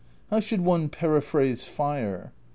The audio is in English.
"How should one periphrase fire?